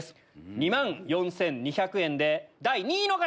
２万４２００円で第２位の方！